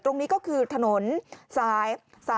ตรงนี้ก็คือถนนสาย๓๔